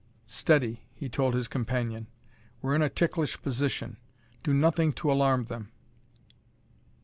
"Steady," he told his companion. "We're in a ticklish position. Do nothing to alarm them."